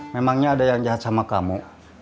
memangnya ada yang jahat sama kamu